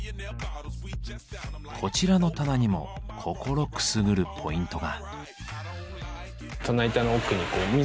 こちらの棚にも心くすぐるポイントが。